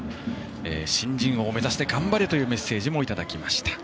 新人王目指して頑張れというメッセージもいただきました。